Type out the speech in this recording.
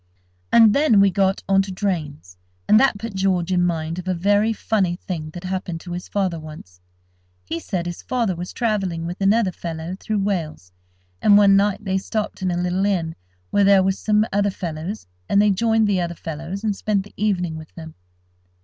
And then we got on to drains, and that put George in mind of a very funny thing that happened to his father once. He said his father was travelling with another fellow through Wales, and, one night, they stopped at a little inn, where there were some other fellows, and they joined the other fellows, and spent the evening with them.